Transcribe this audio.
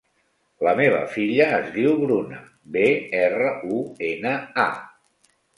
La meva filla es diu Bruna: be, erra, u, ena, a.